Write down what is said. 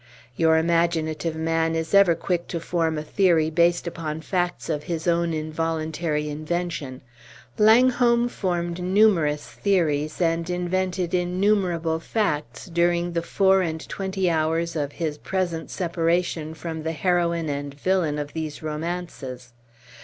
Your imaginative man is ever quick to form a theory based upon facts of his own involuntary invention. Langholm formed numerous theories and invented innumerable facts during the four and twenty hours of his present separation from the heroine and the villain of these romances.